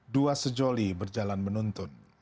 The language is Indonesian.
dua sejoli berjalan menuntun